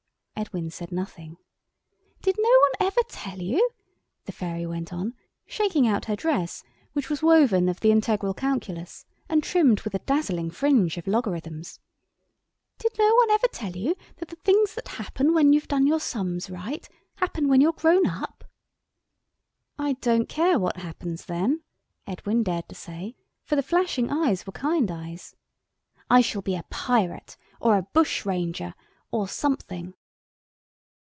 Edwin said nothing. "Did no one ever tell you?" the fairy went on, shaking out her dress, which was woven of the integral calculus, and trimmed with a dazzling fringe of logarithms. "Did no one ever tell you that the things that happen when you've done your sums right, happen when you're grown up?" "I don't care what happens then," Edwin dared to say, for the flashing eyes were kind eyes. "I shall be a pirate, or a bushranger, or something."